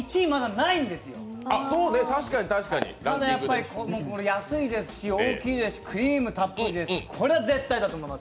なので安いですし、大きいですし、クリームたっぷりですし、これは絶対だと思います！